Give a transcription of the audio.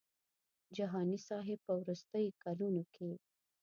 جهاني صاحب په وروستیو کلونو کې.